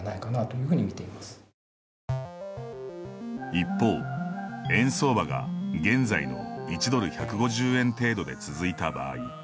一方、円相場が現在の１ドル１５０円程度で続いた場合。